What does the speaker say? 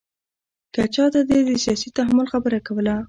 که چاته دې د سیاسي تحمل خبره کوله.